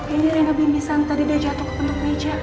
ini rena mimisan tadi dia jatuh ke bentuk meja